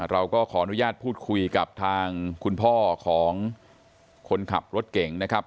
เราก็ขออนุญาตพูดคุยกับทางคุณพ่อของคนขับรถเก่งนะครับ